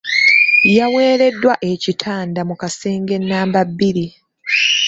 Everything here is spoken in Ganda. Yaweereddwa ekitanda mu kasenge nnamba bbiri.